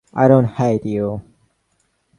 I don’t hate you.